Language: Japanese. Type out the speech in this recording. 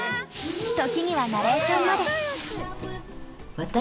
時にはナレーションまで。